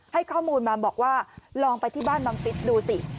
ให้ข้อมูลมาบอกว่าลองไปที่บ้านบังฟิศดูสิ